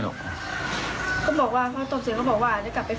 เขาบอกว่าตอบเสียงเขาบอกว่าจะกลับไปฟ้องแม่นะ